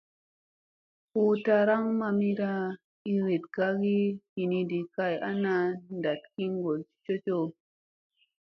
Hu taraŋ mamida iiriɗ kayki hinɗi kay ana naɗ ki ŋgol cocoo.